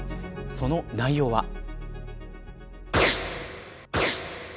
その内容は。